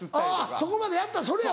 そこまでやったそれ！